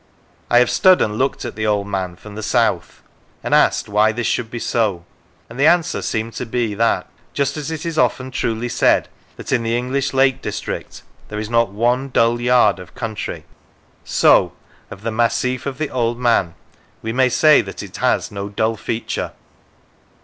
I have stood and looked at the Old Man from the south, and asked why this should be so: and the answer seemed to be that, just as it is often truly said that in the English Lake District there is not one dull yard of country, so of the massif '75 Lancashire of the Old Man we may say that it has no dull feature.